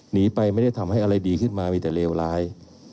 หนีไปไม่ได้ทำให้อะไรดีขึ้นมามีแต่เลวร้าย